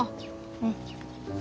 うん。